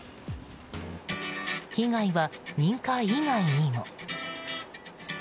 被害は民家以外にも。